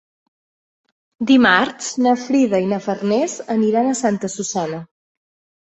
Dimarts na Frida i na Farners aniran a Santa Susanna.